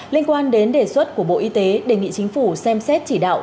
liên quan đến đề xuất của bộ y tế đề nghị chính phủ xem xét chỉ đạo